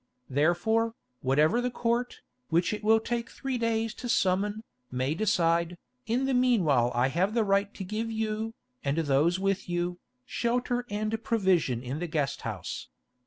Therefore, whatever the Court, which it will take three days to summon, may decide, in the meanwhile I have the right to give you, and those with you, shelter and provision in the guest house.